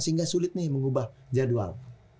sehingga sulit nih mengubah jadwal